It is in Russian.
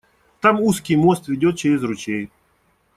Там узкий мост ведет через ручей.